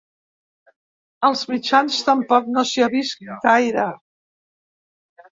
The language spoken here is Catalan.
Als mitjans tampoc no s’hi ha vist gaire.